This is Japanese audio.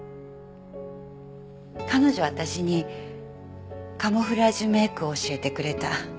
彼女は私にカムフラージュメイクを教えてくれた。